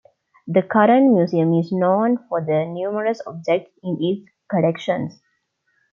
The current museum is known for the numerous objects in its collections.